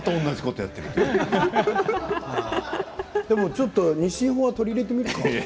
ちょっと二進法を取り入れてみるか。